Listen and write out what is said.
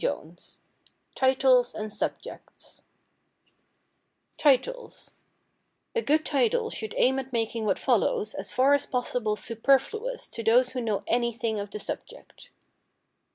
XV Titles and Subjects Titles A GOOD title should aim at making what follows as far as possible superfluous to those who know anything of the subject.